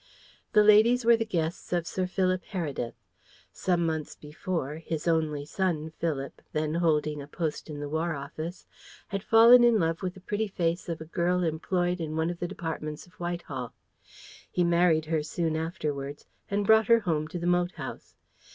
The ladies were the guests of Sir Philip Heredith. Some months before, his only son Philip, then holding a post in the War Office, had fallen in love with the pretty face of a girl employed in one of the departments of Whitehall. He married her soon afterwards, and brought her home to the moat house.